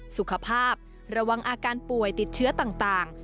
สุขภาพระวังอาการป่วยติดเชื้อต่าง